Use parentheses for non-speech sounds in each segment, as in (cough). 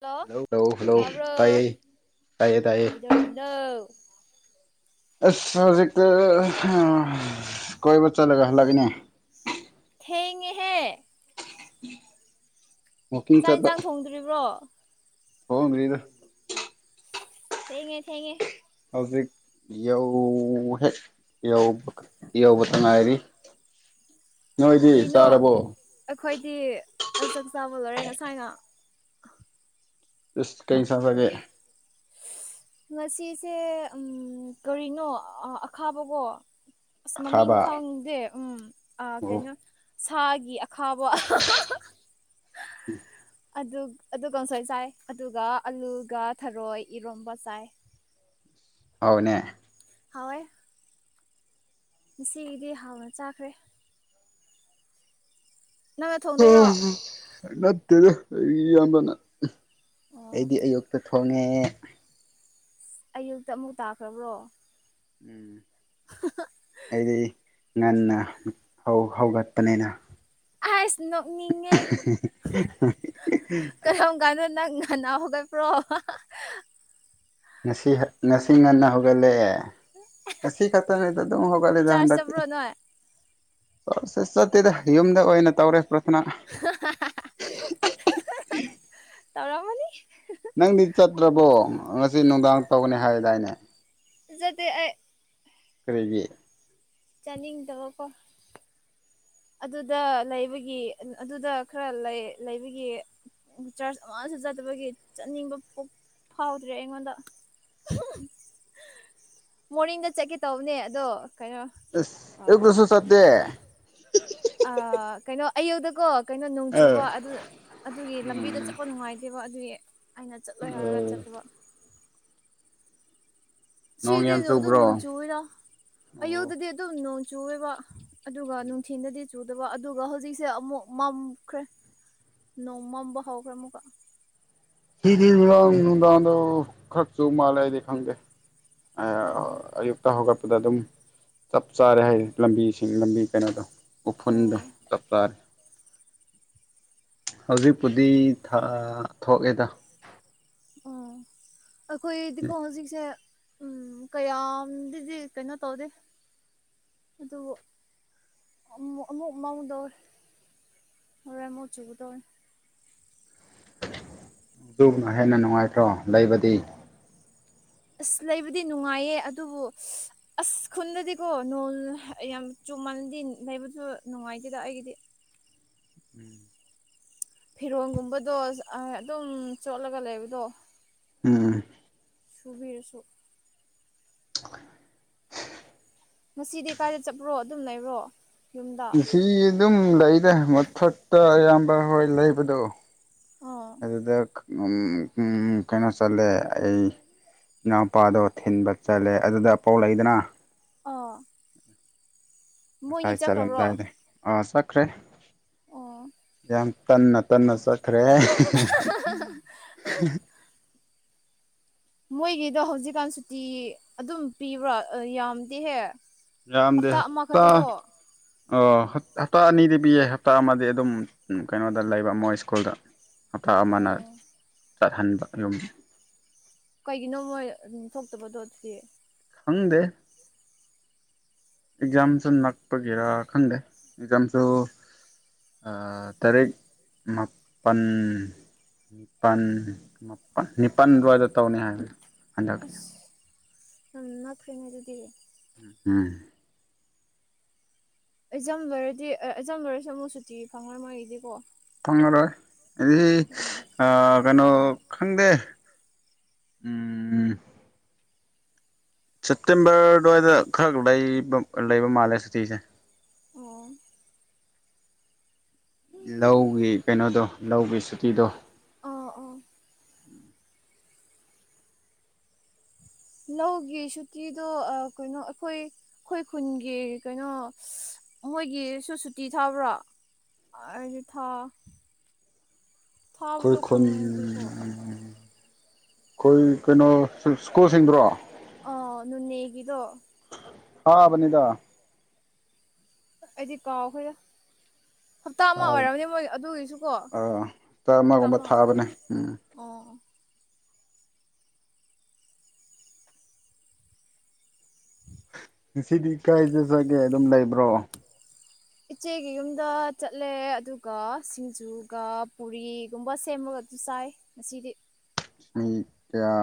hello hello hello ꯇꯕ꯭ꯔꯣ ꯇꯥꯏꯌꯦ ꯇꯥꯏꯌꯦ ꯇꯥꯏꯌꯦ ꯑꯩꯗꯣꯅ ꯑꯁ ꯍꯧꯖꯤꯛꯇ ꯀꯣꯏꯕ ꯆꯠꯂꯒ ꯍꯜꯂꯛꯒꯅꯦ ꯍꯦꯉꯍꯦ ꯆꯥꯛ ꯌꯦꯟꯁꯥꯡ ꯊꯣꯡꯗꯣꯔꯤꯕ꯭ꯔꯣ ꯍ ꯉ꯭ꯔꯔꯤꯗ ꯊꯦꯡꯉꯦ ꯊꯦꯡꯉꯦ ꯍꯧꯖꯤꯛ ꯌꯧ ꯍꯦꯛ ꯌ ꯌꯧꯕꯇ ꯉꯥꯏꯔꯤ ꯎꯝ ꯀꯩꯅꯣ ꯑꯩꯈꯣꯏꯗꯤ ꯆꯥꯛꯆꯥꯥꯕ ꯂꯣꯏꯔꯦ ꯉꯁꯥꯏꯅ ꯀꯩꯁ ꯐꯒꯦ ꯉꯁꯤꯁꯦ ꯎ ꯀꯔꯤꯅꯣ ꯑꯈꯥꯕꯀꯣ ꯑꯁ ꯃꯃꯤꯡ ꯑꯈꯥꯕ ꯈꯪꯗꯦ ꯎꯝ ꯑ ꯑꯣ ꯀꯩꯅꯣ ꯁꯥꯒꯤ ꯑꯈꯥꯕ ꯎꯝ ꯑꯗꯨ ꯀꯥꯡꯁꯣꯏ ꯆꯥꯏ ꯑꯗꯨꯒ ꯑꯂꯨꯒ ꯊꯔꯣꯏ ꯏꯔꯣꯝꯕ ꯆꯥꯏ ꯍꯧꯅꯦ ꯍꯋ ꯉꯁꯤꯒꯤꯗꯤ ꯍꯥꯎꯅ ꯆꯥꯈ꯭ꯔꯦ ꯅꯪꯅ ꯊꯣꯡꯗꯣꯏꯔꯣ ꯍꯠꯇꯦꯕꯅ ꯑꯣ ꯑꯩꯗꯤ ꯑꯌꯨꯛꯇ ꯊꯣꯡꯉꯦ ꯑꯁ ꯑꯌꯨꯛꯇ ꯑꯃꯨꯛ ꯇꯥꯈ꯭ꯔꯕ꯭ꯔꯣ ꯎꯝ ꯑꯩꯗꯤ ꯉꯟꯅ ꯍꯧꯒꯠꯄꯅꯤꯅ ꯑꯁ ꯅꯣꯛꯅꯤꯡꯉꯦ ꯀꯔꯝ ꯀꯥꯟꯅꯣ ꯅꯪꯅꯅꯥ ꯍꯒꯦꯕ꯭ꯔꯣ ꯉꯁꯤ ꯉꯁꯤ ꯉꯟꯅ ꯍꯧꯒꯠꯂꯛꯑꯦ ꯁꯤ ꯈꯇꯔ ꯅꯗ ꯑꯗꯨꯝ ꯍꯧꯒꯠꯂ ꯆꯥꯔꯖ ꯍꯥꯟꯗꯇ ꯆꯠꯄ꯭ꯔꯣ ꯅꯣꯏ ꯦ ꯆꯠꯇꯦꯗ ꯌꯨꯝꯗ ꯑꯣꯏꯅ ꯇꯧꯔꯦ ꯄ꯭ꯔꯊꯅꯥ ꯇꯧꯔꯃꯅꯤ ꯅꯪꯗꯤ ꯆꯠꯇ꯭ꯔꯕꯣ ꯉꯁꯤ ꯅꯨꯡꯗꯥꯡ ꯇꯧꯒꯅꯤ ꯍꯥꯏꯗꯥꯏꯅꯦ ꯆꯗ ꯑꯩ ꯀꯔꯤꯒꯤ ꯆꯥꯅꯤꯤꯡ ꯗꯍꯀ ꯑꯗꯨꯗ ꯂꯩꯕꯒꯤ ꯑꯗꯨꯗ ꯈꯔ ꯂꯩ ꯂꯩꯕꯒꯤ ꯆꯔꯆ ꯑꯃꯁꯨ ꯆꯠꯇꯕꯒꯤ ꯆꯠꯅꯤꯡꯕ ꯐꯥꯎꯗ꯭ꯔꯦ ꯑꯩꯉꯣꯟꯗ (unintelligible) ꯃꯣꯔꯅꯤꯡꯗ ꯆꯠꯀꯦ ꯇꯧꯕꯅꯦ ꯑꯗꯣ ꯀꯩꯅꯣ ꯑꯦ ꯀꯁꯨꯣ ꯁꯇ ꯑ ꯀꯩꯅꯣ ꯑꯌꯨꯗꯀꯣ ꯀꯩꯅꯣ ꯅꯣꯡ ꯑꯥ ꯆꯨꯕ ꯑꯗꯨ ꯑꯗꯨꯒꯤ ꯂꯝꯕꯤꯗ ꯎꯝ ꯆꯠꯄ ꯅꯨꯡꯉꯥꯏꯇꯦꯕ ꯑꯗꯨꯒꯤ ꯑꯩꯅ ꯆꯠꯂꯣꯏ ꯍꯥꯏꯔꯒ ꯑꯣ ꯆꯠꯇꯕ ꯅꯣꯡ ꯌꯥꯝ ꯁꯤꯗꯅ ꯑꯗꯨꯝ ꯆꯨꯕ꯭ꯔꯣ ꯅꯣꯡ ꯆꯨꯔ ꯑꯣ ꯑꯌꯨꯛꯇꯗꯤ ꯑꯗꯨꯝ ꯅꯣꯡ ꯆꯨꯕ ꯑꯗꯨꯒ ꯅꯨꯡꯊꯤꯟꯗꯗꯤ ꯆꯨꯗꯕ ꯑꯗꯨꯒ ꯍꯧꯖꯤꯛꯁꯦ ꯑꯃꯨꯛ ꯃꯝꯈ꯭ꯔꯦ ꯅꯣꯡꯃꯝ ꯍꯥꯎꯒꯃ ꯀ ꯁꯤꯗꯤꯗꯥꯗ ꯈꯔꯆꯣ ꯃꯥꯂꯦꯗꯤ ꯈꯪꯗꯦ ꯑ ꯎꯝ ꯑꯨꯛꯇꯛꯇ ꯍꯒ ꯗ ꯑꯗꯨꯝ ꯆꯞ ꯆꯥꯔꯦ ꯍꯥꯏ ꯂꯝꯕꯤꯁꯤꯡ ꯂꯝꯕꯤ ꯀꯩꯅꯣꯗꯣ ꯎꯐꯨꯟꯗ ꯑꯣ ꯆꯞꯥꯔꯦ ꯍꯧꯖꯤꯛꯄꯨꯗꯤ ꯊꯣꯛꯑꯦꯗ ꯑꯣ ꯑꯩꯈꯣꯏꯗꯤꯀꯣ ꯍꯧꯖꯤꯛꯁꯦ ꯎꯝ ꯀꯌꯥꯝꯗꯤꯗꯤ ꯀꯩꯅꯣ ꯇꯧꯗꯦ ꯑꯗꯨ ꯎꯃꯛ ꯃꯃꯥꯡꯗ ꯔꯃꯣꯆꯨꯒꯗ ꯑꯗꯨꯅ ꯍꯦꯟꯅ ꯅꯨꯡꯉꯥꯏꯇ꯭ꯔꯣ ꯂꯩꯕꯗꯤ ꯑꯁ ꯂꯩꯕꯨꯗꯤ ꯅꯨꯡꯉꯥꯏꯌꯦ ꯑꯗꯨꯕꯨ ꯑꯁ ꯈꯨꯟꯗꯗꯤꯀꯣ ꯅꯣꯡꯜ ꯌꯥꯝ ꯆꯨꯝ ꯃꯜꯗꯤ ꯂꯩꯕꯁꯨ ꯅꯨꯡꯉꯥꯏꯇꯦꯗ ꯑꯩꯒꯤꯗꯤ ꯎꯝ ꯐꯤꯔꯣꯟꯜꯒꯨꯝꯕꯗꯣ ꯑꯗꯨꯝ ꯆꯣꯠꯂꯒ ꯂꯩꯕꯗꯣ ꯎꯝ ꯁꯕꯤ ꯑꯁꯨꯛ ꯑ ꯉꯁꯤꯗꯤ ꯀꯥꯏꯗ ꯆꯠꯄ꯭ꯔꯣ ꯑꯗꯨꯝ ꯂꯩꯔꯣ ꯁꯤ ꯑꯗꯨꯝ ꯂꯩꯔꯦ ꯃꯨꯐꯨꯠꯇ ꯑꯌꯥꯝꯕ ꯍꯣꯏ ꯂꯩꯕꯗꯣ ꯑꯥ ꯑꯗꯨꯗ ꯎ ꯎ ꯀꯩꯅꯣ ꯆꯂꯦ ꯑꯩ ꯏꯅꯥꯎꯄꯥꯗꯣ ꯊꯤꯟꯕ ꯆꯠꯂꯦ ꯑꯗꯨꯗ ꯑ ꯄꯥꯎ ꯂꯩꯗꯅ ꯑꯥ ꯉꯁꯥꯏ ꯆꯠꯂꯝꯗꯥꯏꯗ ꯑꯥ ꯆꯠꯈ꯭ꯔꯦ ꯑꯣ ꯌꯥꯝ ꯇꯟꯅ ꯇꯟꯅ ꯆꯠꯈ꯭ꯔꯦ ꯃꯣꯏꯒꯤꯗꯣ ꯍꯧꯖꯤꯛꯀꯥꯟ ꯁꯨꯇꯤ ꯑꯗꯨꯝ ꯄꯤꯕ꯭ꯔꯥ ꯌꯥꯝꯗꯤꯦꯍꯦ ꯔꯝꯗꯦ ꯍꯞꯇꯥ ꯑꯣ ꯍꯞꯇꯥ ꯑꯅꯤꯗꯤ ꯄꯤꯌꯦ ꯍꯞꯇꯥ ꯑꯃꯗꯤ ꯑꯗꯨꯝ ꯀꯩꯅꯣꯗ ꯂꯩꯕ ꯑꯃꯛ ꯁ꯭ꯀꯨꯜꯗ ꯍꯞꯇꯥ ꯑꯃꯅ ꯑꯣ ꯆꯠꯍꯟꯕ ꯌꯨꯝ ꯀꯩꯒꯤꯅꯣ ꯃꯣꯏ ꯑꯗꯨꯝ ꯊꯣꯛꯇꯕ ꯇꯣꯠꯁꯤ ꯍꯪꯗꯦ ꯑꯦꯛꯖꯥꯝꯁꯨ ꯅꯛꯄꯒꯤꯔꯥ ꯈꯪꯗꯦ ꯑꯦꯛꯖꯥꯝꯁꯨ ꯇꯔꯦꯠ ꯃꯥꯄꯜ ꯅꯤꯄꯜ ꯃꯥꯄꯜ ꯅꯤꯄꯜ ꯔꯋꯥꯗ ꯇꯧꯅꯤ ꯍꯥꯏ ꯍꯟꯗꯛ ꯃꯥ ꯐ꯭ꯔꯔꯤꯅꯦ ꯑꯗꯨꯗꯤ ꯎꯝ ꯑꯦꯖꯝꯂꫭꯏꯔꯗꯤ ꯑ ꯑꯦꯖꯝꯂꫭꯏꯔꯁꯨ ꯑꯃꯨꯛ ꯁꯨꯇꯤ ꯐꯪꯉ ꯃꫭꯏꯗꯤ ꯀꯣ ꯑꯦꯗꯤ ꯑ ꯀꯩꯅꯣ ꯈꯪꯗꯦ ꯎꯝ ꯁꯦꯞꯇꯦꯝꯕꯔ ꯑꯗꯨꯋꯥꯏꯗ ꯈꯔ ꯂꯩꯕ ꯂꯩꯕ ꯃꯥꯜꯂꯦ ꯁꯨꯇꯤꯁꯦ ꯑꯣ ꯂꯧꯒꯤ ꯀꯩꯅꯣꯗꯣ ꯂꯧꯒꯤ ꯁꯨꯇꯤꯗꯣ ꯑꯥ ꯑꯥ ꯎꯝ (inaudible) ꯂꯧꯒꯤ ꯁꯨꯇꯤꯗꯣ ꯑ ꯀꯩꯅꯣ ꯑꯩꯈꯣꯏ ꯑꯈꯣꯏ ꯈꯨꯟꯒꯤ ꯀꯩꯅꯣ ꯃꯣꯏꯒꯤꯁꯨ ꯁꯨꯇꯤ ꯊꯥꯕ꯭ꯔꯣ ꯑꯩꯒꯤ ꯊꯥ ꯑꯈꯣꯏ ꯊꯥꯕꯗꯣ ꯈꯨꯟ ꯈꯪꯗꯦꯀꯣ ꯑꯈꯣꯏ ꯀꯩꯅꯣ ꯏꯁ꯭ꯀꯨꯜꯁꯤꯡꯗꯨꯔꫭ ꯑ ꯅꯨꯅꯦꯒꯤꯗꫭ ꯇꯥꯕꯅꯤꯗ ꯑꯩꯗꯤ ꯀꯥꯎꯈꯔꯦꯗ ꯍꯞꯇꯥ ꯑꯃ ꯊꯥ ꯑꯣꯏꯔꯝꯅꯤ ꯃꯣꯏ ꯑꯗꯨꯒꯤꯁꯨꯀꯣ ꯑꯥ ꯍꯞꯇꯥ ꯇꯔꯥꯃꯒꯨꯝꯕ ꯑꯃ ꯊꯥꯕꯅꯦ ꯑꯣꯏꯝꯅꯤ (inaudible) ꯉꯁꯤꯗꯤ ꯀꯥꯏꯗ ꯆꯪꯉꯦ ꯑꯗꯨꯝ ꯂꯩꯕ꯭ꯔꯣ ꯏꯆꯦꯒꯤ ꯌꯨꯝꯗ ꯆꯠꯂꯦ ꯑꯗꯨꯒ ꯁꯤꯡꯖꯨꯒ ꯄꯨꯔꯤꯒꯨꯝꯕ ꯁꯦꯝꯃꯒ ꯆꯥꯏ ꯉꯁꯤꯗꯤ ꯃꯤ ꯀꯌꯥ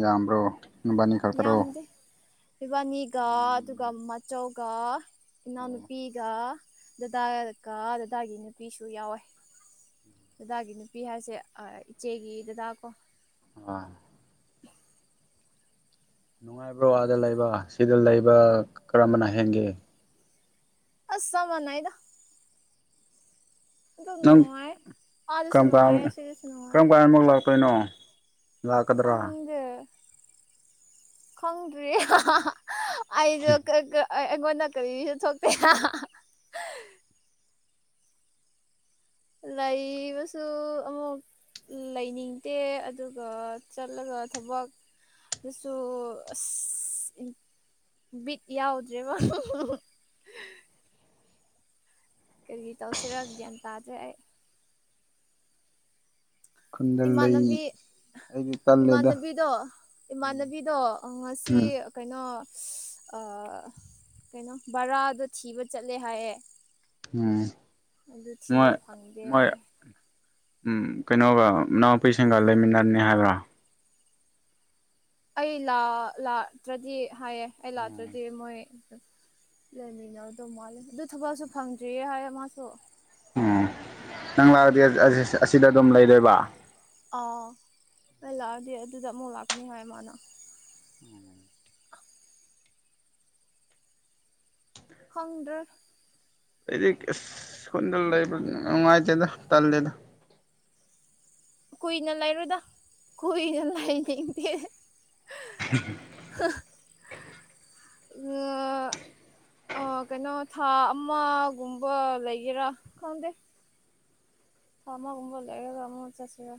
ꯌꯥꯝꯕ꯭ꯔꯣ ꯅꯨꯕꯥꯅꯤ ꯈꯛꯇꯔꯣ ꯌꯥꯝꯗꯦ ꯏꯕꯥꯅꯤꯒ ꯑꯗꯨꯒ ꯎꯝ ꯃꯆꯧꯒ ꯑꯣ ꯏꯅꯥꯎꯅꯨꯄꯤꯒ ꯗꯗꯥ ꯀꯥ ꯗꯗꯥꯏꯒꯤ ꯅꯨꯄꯤꯁꯨ ꯌꯥꯎꯋꯦ ꯗꯗꯥꯒꯤ ꯅꯨꯄꯤ ꯍꯥꯏꯁꯦ ꯑ ꯏꯆꯦꯒꯤ ꯗꯗꯥꯀꯣ ꯑ ꯅꯨꯡꯉꯥꯏꯕ꯭ꯔꯣ ꯑꯗ ꯂꯩꯕ ꯁꯤꯗ ꯂꯩꯕ ꯀꯔꯝꯕꯅ ꯍꯦꯟꯒꯦ ꯑꯁ ꯆꯞ ꯃꯥꯟꯅꯩꯗ ꯑꯗꯨꯝ ꯅꯪ ꯅꯨꯡꯉꯥꯏꯑꯦ ꯑꯗꯁꯨ ꯅꯨꯡꯉꯥꯏꯑꯦ ꯁꯤꯗꯁꯨ ꯅꯨꯡꯉꯥꯏ ꯀꯩꯅꯣ ꯈꯪꯗꯦ ꯈꯪꯗ꯭ꯔꯤꯑꯦ ꯑꯩꯖꯨ ꯀ ꯀ ꯑꯩꯉꯣꯟꯗ ꯀꯔꯤꯁꯨ ꯊꯣꯛꯇꯦ ꯂꯩꯥꯕꯁꯨ ꯑꯃꯨꯛ ꯂꯩꯅꯤꯡꯗꯦ ꯑꯗꯨꯒ ꯆꯠꯂꯒ ꯊꯕꯛ ꯑꯗꯨꯁꯨ ꯑꯁ ꯕꯤꯠ ꯌꯥꯎꯗ꯭ꯔꯦꯕ (inaudible) (inaudible) ꯀꯔꯤ ꯇꯧꯁꯤꯔꯥ ꯒ꯭ꯌꯥꯟ ꯇꯥꯗ꯭ꯔꯦ ꯑꯩ ꯈꯨꯟꯗ ꯂꯩ ꯏꯃꯥꯟꯅꯕꯤ ꯑꯩꯒꯤ ꯏꯃꯥꯟꯅꯕꯤꯗꯣ ꯏꯃꯥꯟꯅꯕꯤꯗꯣ ꯑ ꯉꯁꯤ ꯎꯝ ꯀꯩꯅꯣ ꯑ ꯀꯩꯅꯣ ꯕꯔꯥꯗꫭ ꯊꯤꯕ ꯆꯠꯂꯦ ꯍꯥꯏꯌꯦ ꯎꯝ ꯑꯗꯨ ꯊꯤꯕ ꯃꯣꯏ ꯐꯪꯗꯦ ꯃꯣꯏ ꯍꯥꯏꯑꯦ ꯎꯝ ꯀꯩꯅꯣꯒ ꯃꯅꯥꯎꯄꯤꯁꯤꯡꯒ ꯂꯩꯃꯤꯟꯅꯝꯅꯤ ꯍꯥꯏꯕ꯭ꯔꯥ ꯑꯩ ꯂꯥꯛ ꯂꯥꯛꯇ꯭ꯔꯗꯤ ꯍꯥꯏꯌꯦ ꯑꯩ ꯂꯥꯛꯇ꯭ꯔꯗꯤ ꯎꯝ ꯃꯣꯏ ꯂꯩꯃꯤꯟꯅꯩꯗꯧ ꯃꯥꯜꯂꯦ ꯑꯗꯨ ꯊꯕꯛꯁꯨ ꯐꯪꯗ꯭ꯔꯤꯌꯦ ꯍꯥꯏꯌꯦ ꯃꯥꯁꯨ ꯎꯝ ꯅꯪ ꯂꯥꯛꯑꯗꯤ ꯑ ꯑꯁꯤꯗ ꯗꯨꯝ ꯂꯩꯗꫭꯏꯕ ꯑꯥ ꯑꯩ ꯂꯥꯛꯑꯗꯤ ꯑꯗꯨꯗ ꯑꯃꯨꯛ ꯂꯥꯛꯀꯅꯤꯍꯥꯏ ꯃꯥꯅ ꯎꯝ (unintelligible) ꯈꯪꯗ꯭ꯔꯦ ꯑꯩꯗꯤ ꯁꯨꯟꯗ ꯂꯩꯕ ꯅꯨꯡꯉꯥꯏꯇꯦꯗ ꯇꯜꯂꯤꯦꯗ ꯀꯨꯏꯅ ꯂꯩꯥꯏꯔꯣꯏꯗ ꯀꯨꯏꯅ ꯂꯩꯥꯅꯤꯡꯗꯦ (inaudible) ꯌꯦ ꯑ ꯀꯩꯅꯣ ꯊꯥ ꯑꯃꯒꯨꯝꯕ ꯂꯩꯒꯦꯔꯥ ꯈꯪꯗꯦ ꯊꯥ ꯑꯃ ꯀꯨꯝꯕ ꯂꯩꯔꯒ ꯑꯃꯨꯛ ꯆꯠꯁꯤꯔꯥ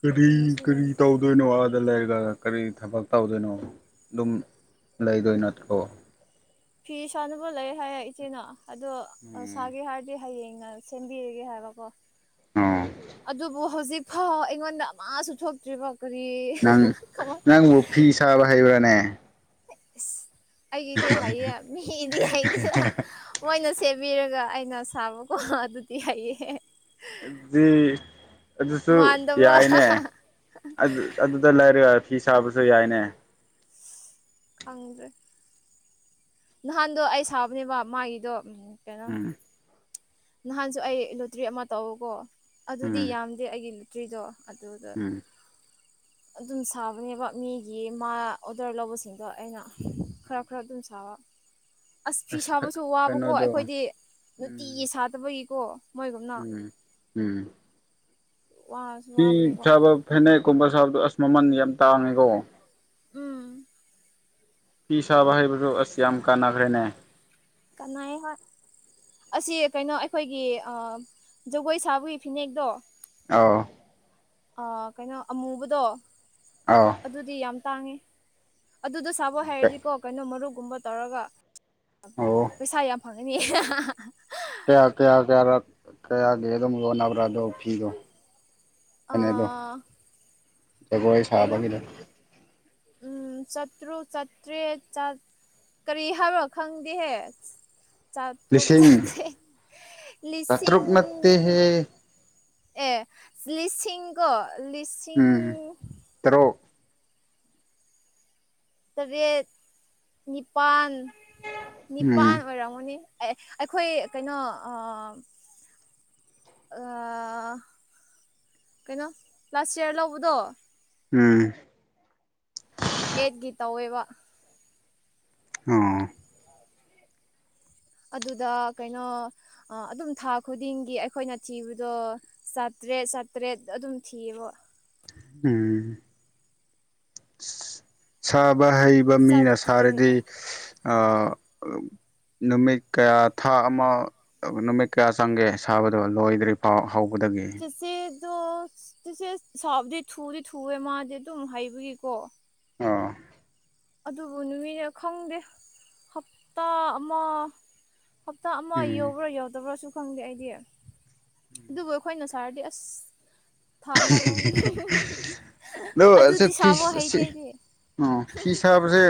ꯀꯔꯤ ꯀꯔꯤ ꯌꯦꯡꯁꯤ ꯇꯧꯗꯣꯢꯅꯣ ꯑꯗꯨ ꯗ ꯂꯩꯔꯒ ꯀꯔꯤ ꯊꯕꯛ ꯇꯧꯗꯣꯏꯅꯣ ꯑꯗꯨꯝ ꯂꯩꯗꯣꯏ ꯅꯠꯇ꯭ꯔꯣ ꯐꯤ ꯁꯥꯅꯕ ꯂꯩ ꯍꯥꯏꯌꯦꯦ ꯏꯆꯦꯅ ꯑꯗꯣ ꯎꯝ ꯁꯥꯒꯦ ꯍꯥꯏꯔꯗꯤ ꯍꯌꯦꯡ ꯉ ꯁꯦꯝꯕꯤꯔꯒꯦ ꯍꯥꯏꯕꯀꯣ ꯑꯣ ꯑꯗꯨꯕꯨ ꯍꯧꯖꯤꯛ ꯐꯥꯎ ꯑꯩꯉꯣꯟꯗ ꯑꯃꯁꯨ ꯊꯣꯛꯇ꯭ꯔꯤꯕ ꯀꯔꯤ ꯅꯪ ꯀꯃꯥꯏ ꯅꯪꯕꯨ ꯐꯤ ꯁꯥꯕ ꯍꯩꯕꯅꯦ ꯏꯁ ꯑꯩꯒꯤꯗꯤ ꯍꯩꯌꯦ ꯃꯤꯗꯤ ꯍꯩꯇꯦꯕ ꯃꯣꯏꯅ ꯁꯦꯝꯕꯤꯔꯒ ꯑꯗꯨ ꯑꯩꯅ ꯁꯥꯕꯀꯣ ꯑꯗꯨꯗꯤ ꯍꯩꯌꯦꯍ (inaudible) ꯑꯗꯨꯁꯨ ꯃꯥꯟꯗꯕ꯭ꯔꯣ ꯌꯥꯏꯅꯦ ꯑꯗꯨꯗ ꯂꯩꯔ ꯐꯤ ꯁꯥꯕꯁꯨ ꯌꯥꯏꯅꯦ ꯈꯪꯗꯦ ꯅꯍꯥꯟꯗꯣ ꯑꯩ ꯁꯥꯕꯅꯦꯕ ꯃꯥꯒꯤꯗꯣ ꯀꯩꯅꯣ ꯎꯝ ꯅꯍꯥꯟꯁꯨ ꯑꯩ ꯂꯨꯇ꯭ꯔꯤ ꯑꯃ ꯇꯧꯎꯀꯣ ꯑꯗꯨꯗꯤ ꯎꯝ ꯌꯥꯝꯗꯦ ꯑꯩꯒꯤ ꯂꯣꯇ꯭ꯔꯤꯗꯣ ꯑꯗꯨꯗ ꯎꯝ ꯑꯗꯨꯝ ꯁꯥꯕꯅꯦꯕ ꯃꯤꯒꯤ ꯃꯥ ꯑꯣꯗꯔ ꯂꯧꯕꯁꯤꯡꯗꯣ ꯑꯩꯅ ꯈꯔ ꯈꯔ ꯑꯗꯨꯝ ꯆꯕ ꯑꯁ ꯐꯤ ꯐ ꯁꯥꯕꯁꯨ ꯋꯥꯕꯀꯣ ꯀꯩꯅꯣꯗꯣ ꯑꯩꯈꯣꯏꯗꯤ ꯅꯨꯡꯇꯤꯒꯤ ꯎꯝ ꯁꯥꯗꯕꯒꯤꯀꯣ ꯃꯣꯏꯒꯨꯝꯅ ꯎꯝ ꯎꯝ ꯋꯥꯁꯨ ꯐꯤ ꯋꯥꯕꯅꯦꯕ ꯁꯥꯕ ꯐꯅꯦꯛꯀꯨꯝꯕ ꯁꯥꯕꯗꯣ ꯑꯁ ꯃꯃꯜ ꯌꯥꯝ ꯇꯥꯡꯉꯤꯀꯣ ꯎꯝ ꯐ ꯁꯥꯕ ꯍꯩꯕꯁꯨ ꯑꯁꯤ ꯌꯥꯝ ꯀꯥꯟꯅꯈ꯭ꯔꯦꯅꯦ ꯀꯥꯏ ꯍ ꯑꯁꯤ ꯀꯩꯅꯣ ꯑꯩꯈꯣꯏꯒꯤ ꯖꯒꯣꯏ ꯁꯥꯕꯒꯤ ꯐꯤꯅꯦꯛꯇꯣ ꯑ ꯀꯩꯅꯣ ꯑꯃꯨꯕꯗꯣ ꯑꯧ ꯑꯗꯨꯗꯤ ꯌꯥꯝ ꯇꯥꯡꯉꯦ ꯑꯗꯨꯗꯣ ꯁꯥꯕ ꯍꯥꯏꯔꯗꯤꯀꯣ ꯀꯩꯅꯣ ꯃꯔꯨꯒꯨꯝꯕ ꯇꯧꯔꯒ ꯑꯣ ꯄꯩꯁꯥ ꯌꯥꯝ ꯐꯪꯉ ꯑꯅꯤ ꯀꯌꯥ ꯀꯌꯥ ꯀꯌꯥ ꯀꯌꯥꯒꯦꯗ ꯃ ꯅꯕꯔꯥꯗꯣ ꯑꯣꯤꯗꯣ ꯑꯥ ꯖꯒꯣꯏ ꯁꯥꯕꯒꯤꯗ ꯎꯝ ꯆꯠꯇ꯭ꯔꯨ ꯆꯠꯇ꯭꯭ꯔꯦ ꯆꯠ ꯀꯔꯤ ꯍꯥꯏꯕ ꯈꯪꯗꯦꯍꯦ ꯆꯥꯇ꯭ꯔꯨꯛ ꯂꯤꯁꯤꯡ ꯆꯇ ꯆꯥꯇ꯭ꯔꯨꯛ ꯂꯤꯁꯤꯡ ꯅꯠꯇꯦꯍꯦ ꯑꯦ ꯂꯤꯁꯤꯡꯒꯣ ꯂꯤꯁꯤꯡ ꯇꯔꯣꯛ ꯇꯔꯦꯠ ꯅꯤꯄꯥꯜ ꯅꯤꯄꯥꯜ ꯎꯝ ꯑꯣꯏꯔꯝꯒꯅꯤ ꯑꯩꯈꯣꯏ ꯀꯩꯅꯣ ꯀꯩꯅꯣ ꯂꯥꯁ ꯏꯌꯥꯔ ꯂꯧꯕꯗꯣ ꯎꯝ ꯑꯦꯠꯀꯤ ꯇꯧꯋꯦꯕ ꯑ ꯑꯗꯨꯗ ꯀꯩꯅꯣ ꯑꯗꯨꯝ ꯊꯥ ꯈꯨꯗꯤꯡꯒꯤ ꯑꯩꯈꯣꯏꯅ ꯊꯤꯕꯗꯣ ꯆ ꯆꯥꯇ꯭ꯔꯦꯠ ꯆꯥꯇ꯭ꯔꯦꯠ ꯑꯗꯨꯝ ꯊꯤꯌꯦꯕ ꯎꯝ ꯁꯕ ꯕ ꯍꯩꯕ ꯃꯤꯅ ꯁꯥꯔꯗꯤ ꯆꯥꯇ꯭ꯔꯦꯠꯔ ꯅꯨꯃꯤꯠ ꯀꯌꯥ ꯊꯥ ꯑꯃ ꯅꯨꯃꯤꯠ ꯀꯌꯥ ꯆꯪꯒꯦ ꯁꯥꯕꯗꯣ ꯂꯣꯏꯗ꯭ꯔꯤ ꯐꯥꯎ ꯍꯧꯕꯗꯒꯤ ꯑꯗꯣ ꯆꯤꯆꯦ ꯁꯕꯗꯤ ꯊꯨꯗꯤ ꯊꯨꯋꯦ ꯃꯥꯗꯤ ꯑꯗꯨꯝ ꯍꯩꯕꯒꯤꯀꯣ ꯑꯥ ꯑꯗꯨꯕꯨ ꯅꯨꯃꯤꯠꯅ ꯈꯪꯗꯦ ꯍꯞꯇꯥ ꯑꯃ ꯍꯞꯇꯥ ꯑꯃ ꯎꯝ ꯌꯧꯕ꯭ꯔꯥ ꯌꯧꯗꯕ꯭ꯔꯥꯁꯨ ꯈꯪꯗꯦ ꯑꯩꯗꯤ ꯑꯗꯨꯕꯨ ꯑꯩꯈꯣꯏꯅ ꯁꯥꯔꯥꯗꯤ ꯑꯁ ꯊꯥ ꯑꯃ ꯂꯧꯅꯤ ꯑꯗ‌ꯣ ꯑꯁ‌ꯦ ꯑꯗꯨꯗꯤ ꯁꯥꯕ ꯐꯤꯁ‌ ꯍꯩꯇꯦ ꯑꯁꯤ ꯑꯩꯗꯤ ꯎꯝ ꯐꯤꯁꯥꯕꯥꯁꯦ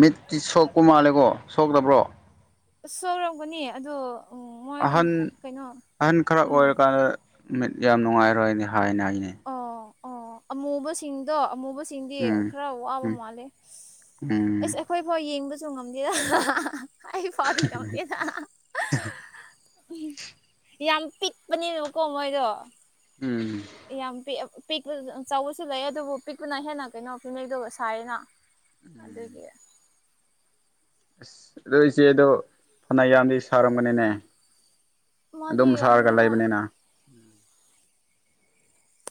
ꯃꯤꯠꯇꯤ ꯁꯣꯛꯄ ꯃꯥꯜꯂꯦꯀꯣ ꯁꯣꯛꯇꯕ꯭ꯔꯣ ꯁ‌ꯧꯛꯔꯝꯒꯅꯤ ꯑꯗꯣ ꯃꯣꯏꯗ ꯑꯍꯟ ꯀꯩꯅꯣ ꯑꯍꯟ ꯈꯔ ꯎꯝ ꯑꯣꯏꯔꯀꯥꯟꯗ ꯃꯤꯠ ꯌꯥꯝ ꯅꯨꯡꯉꯥꯏꯔꯣꯏꯅꯦ ꯍꯥꯏꯅ ꯍꯥꯏꯅꯦ ꯑꯣ ꯑꯣ ꯑꯃꯨꯕꯁꯤꯡꯗꯣ ꯑꯃꯨꯕ ꯁꯤꯡꯗꯤ ꯎꯝ ꯈꯔ ꯋꯥꯕꯥ ꯎꯝ ꯃꯥꯜꯂ‌ꯦ ꯎꯝ ꯏꯁ ꯑꯩꯈ‌ꯣꯏ ꯐꯥꯎ ꯌ‌ꯦꯡꯗ ꯁꯨ ꯉꯝꯗꯦ ꯑꯩ ꯐꯥꯎꯗꯤ ꯉꯝꯗ‌ꯦꯅꯥ ꯌꯥꯝ ꯄꯤꯛꯄꯅꯦꯕꯀꯣ ꯃꯣꯏꯗꯣ ꯎꯝ ꯌꯥꯝ ꯄꯤꯛ ꯄꯤꯛꯄ ꯆꯥꯎꯕꯁꯨ ꯂꯩ ꯑꯗꯨꯕꯨ ꯄꯤꯛꯄꯨꯅ ꯍꯦꯟꯅ ꯀꯩꯅꯣ ꯐꯤꯅ‌ꯦꯛꯗꯣ ꯁꯌ‌ꯦꯅꯥ ꯑꯗꯨꯒꯤ ꯑꯁ ꯑꯗꯣ ꯏꯆꯦꯗꯣ ꯐꯅ ꯌꯥꯝꯗꯤ ꯁꯥꯔꯝꯒꯅꯤꯅꯦ ꯃꯥꯗꯤ ꯑꯗꯨꯝ ꯁꯥꯔꯒ ꯌꯥꯝꯃꯦ ꯍꯣꯏ ꯂꯩꯕꯅꯤꯅ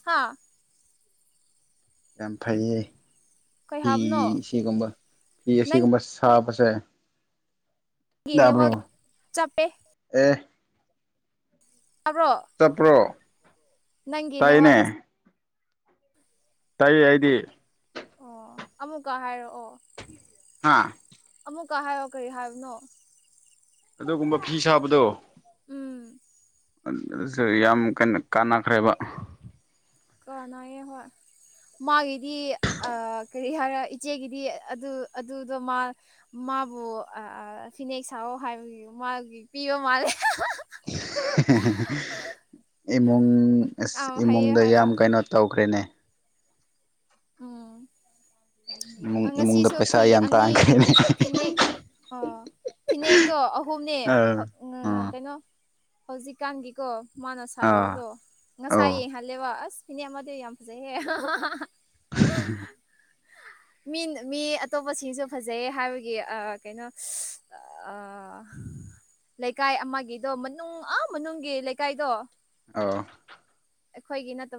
ꯍꯥꯥ ꯌꯥꯝ ꯐꯩꯌ‌ꯦ ꯀꯩ ꯐꯤ ꯍꯥꯏꯕꯅꯣ ꯁꯤꯒꯨꯝꯕ ꯐꯤ ꯑꯁꯤꯒꯨꯝꯕ ꯅꯪꯒꯤ ꯁꯕ ꯖ‌ꯦ ꯅꯦꯠꯋꯥꯛ ꯌꯕ꯭ꯔ‌ꯣ ꯆꯞꯄꯦ ꯑ‌ꯦ ꯆꯞꯄ꯭ꯔꯣ ꯅꯪꯒꯤꯅꯦ ꯋꯥꯠ ꯇꯥꯏꯑ‌ꯦ ꯑꯩꯗꯤ ꯑꯣ ꯑꯃꯨꯛꯀ ꯍꯥꯏꯔꯛꯑꯣ ꯍꯥꯥ ꯑꯃꯨꯛꯀ ꯍꯥꯏꯑꯣ ꯀꯔꯤ ꯍꯥꯏꯕꯅꯣ ꯑꯗꯨꯒꯨꯝꯕ ꯐꯤ ꯁꯥꯕꯗꯣ ꯎꯝ ꯌꯥꯝ ꯀꯟꯅ ꯀꯥꯟꯅꯈ꯭ꯔꯦꯕ ꯀꯅꯥꯏꯌꯦ ꯍ‌ꯣꯏ ꯃꯥꯒꯤꯗꯤ ꯀꯔꯤ ꯍꯥꯏꯔꯣ ꯏꯆꯦꯒꯤꯗꯤ ꯑꯗꯨ ꯑꯗꯨꯗꯣ ꯃꯥ ꯃꯥ ꯃꯥꯕꯨ ꯐꯤꯅꯦꯛ ꯁꯥꯑꯣ ꯍꯥꯏꯕꯒꯤ ꯃꯥꯒꯤ ꯄꯤꯕ ꯃꯥꯜꯂꯦ (unintelligible) ꯏꯃꯨꯡ ꯑ ꯑꯁ ꯍꯩꯌꯦ ꯏꯃꯨꯡꯗ ꯍꯥꯏꯕ ꯌꯥꯝ ꯀꯩꯅꯣ ꯇꯧꯈ꯭ꯔꯦꯅꯦ ꯎꯝ ꯏꯃꯨꯡ ꯏꯃꯨꯡꯗ ꯄꯩꯁꯥ ꯌꯥꯝ ꯇꯥꯡꯈ꯭ꯔ‌ꯦꯅ‌ꯦ ꯐꯤꯟꯅꯦꯛ ꯑꯣ ꯐꯤꯅꯦꯛꯗꯣ ꯑꯍꯨꯝꯅꯦ ꯑꯥ ꯑꯥ ꯀꯩꯅꯣ ꯍꯧꯖꯤꯛꯀꯥꯟꯒꯤꯀꯣ ꯃꯥꯅ ꯑꯥ ꯁꯥꯕꯤꯕꯗꯣ ꯑꯧ ꯉꯁꯥꯏ ꯌꯦꯡꯍꯜꯂꯦꯕ ꯑꯁ ꯏꯅ‌ꯦ ꯑꯃꯗꯤ ꯌꯥꯝ ꯄꯖꯩꯍꯦ ꯃꯤꯅ ꯃꯤ ꯑꯇꯣꯞꯄꯁꯤꯡꯁꯨ ꯐꯖꯩꯌ‌ꯦ ꯍꯥꯏꯕꯒꯤ ꯑꯥ ꯀꯩꯅꯣ ꯑꯥ ꯂꯩꯀꯥꯏ ꯑꯃꯒꯤꯗꯣ ꯃꯅꯨꯡ ꯑꯥ ꯃꯅꯨꯡꯒꯤ ꯂꯩꯀꯥꯏꯗꯣ ꯑ‌ꯧ ꯑꯩꯈꯣꯏꯒꯤ ꯅꯠꯇꯕ